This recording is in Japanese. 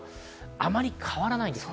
あまり変わらないです。